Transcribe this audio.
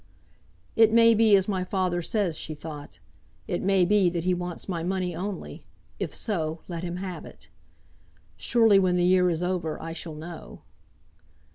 "It may be as my father says," she thought. "It may be that he wants my money only; if so, let him have it. Surely when the year is over I shall know."